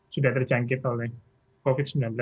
sudah terjangkit oleh covid sembilan belas